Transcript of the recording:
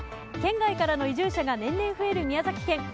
県外からの移住者が年々増える宮崎県。